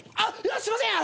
すいません！